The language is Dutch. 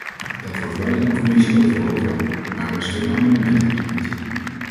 Dat werd wel in de commissie overwogen, maar er is geen amendement ingediend.